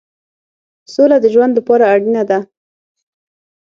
سوله د ژوند لپاره اړینه ده.